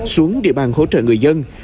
xuống địa bàn hỗ trợ người dân